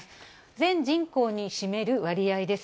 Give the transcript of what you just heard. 全人口に占める割合です。